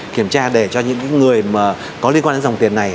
kiểm tra để cho những người mà có liên quan đến dòng tiền này